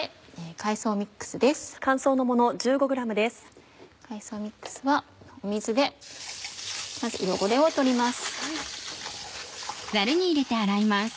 海藻ミックスは水でまず汚れを取ります。